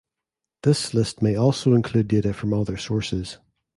This list may also include data from other sources.